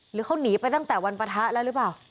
หรือเขาหนีไปตั้งแต่วันปะทะแล้วหรือเปล่า